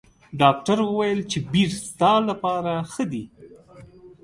ډاکټر ویل چې بیر ستا لپاره ښه دي.